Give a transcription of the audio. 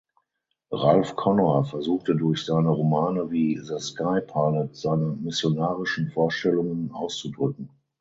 Ralph Connor versuchte durch seine Romane wie "The Sky Pilot" seine missionarischen Vorstellungen auszudrücken.